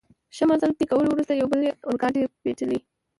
ښه مزل طی کولو وروسته، یوې بلې اورګاډي پټلۍ.